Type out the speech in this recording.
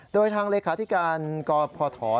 โดยทางเลขาที่การพถ